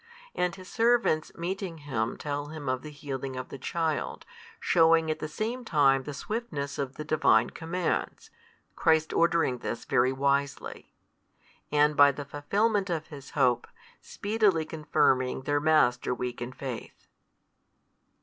And his servants meeting him tell him of the healing of the child, shewing at the same time the swiftness of the Divine commands (Christ ordering this very wisely), and by the fulfilment of his hope, speedily confirming their master weak in faith.